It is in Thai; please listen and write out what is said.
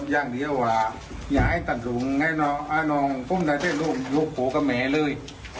อย่างเดียวอย่าให้ตัดหลุงให้น้องพุ่มใดลูกหัวกับแม่เลย